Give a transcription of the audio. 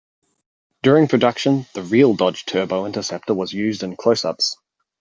During production, the real Dodge Turbo Interceptor was used in close-ups.